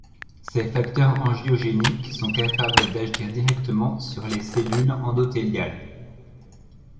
Ces facteurs angiogéniques sont capables d'agir directement sur les cellules endothéliales.